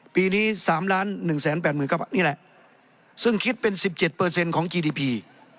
ปีนี้สามล้านหนึ่งแสนแปดหมื่นครับนี่แหละซึ่งคิดเป็นสิบเจ็ดเปอร์เซ็นต์ของกีดีปี